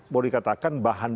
boleh dikatakan bahan